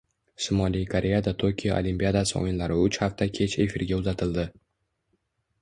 Shimoliy Koreyada Tokio Olimpiadasi o‘yinlari uch hafta kech efirga uzatildi